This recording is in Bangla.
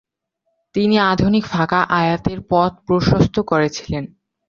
তিনি আধুনিক ফাঁকা আয়াতের পথ প্রশস্ত করেছিলেন।